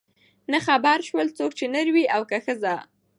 نه خبر سول څوک چي نر وې او که ښځه